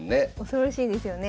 恐ろしいですよね。